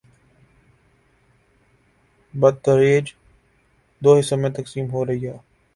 ، بتدریج دو حصوں میں تقسیم ہورہی ہی۔